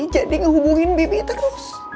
jadi ngehubungin bebe terus